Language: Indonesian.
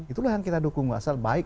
itulah yang kita dukung asal baik